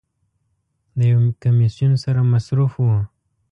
د یو کمیسون سره مصروف و.